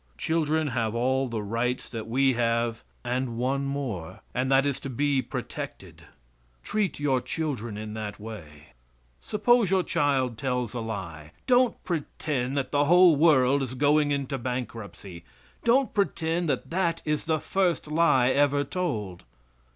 Children have all the rights that we have and one more, and that is to be protected. Treat your children in that way. Suppose your child tells a lie. Don't pretend that the whole world is going into bankruptcy. Don't pretend that that is the first lie ever told.